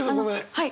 はい。